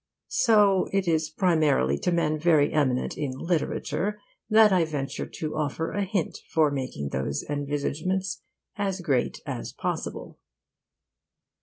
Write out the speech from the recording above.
So it is primarily to men very eminent in literature that I venture to offer a hint for making those envisagements as great as possible.